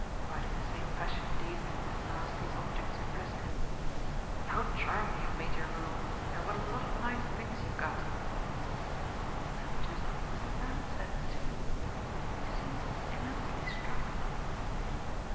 Quite in the same fashion indeed at last these objects impressed him. "How charming you've made your room and what a lot of nice things you've got!" "That's just what Mr. Van said too. He seemed immensely struck."